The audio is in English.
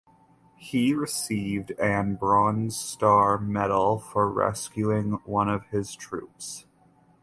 He received an Bronze Star Medal for rescuing one of his troops.